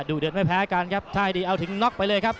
ดูเดือดไม่แพ้กันครับท่ายดีเอาถึงน็อกไปเลยครับ